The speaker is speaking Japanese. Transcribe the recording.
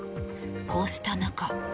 こうした中。